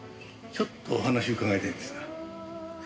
ちょっとお話伺いたいんですが。